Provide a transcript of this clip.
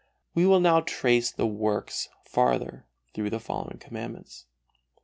We will now trace the works farther through the following Commandments.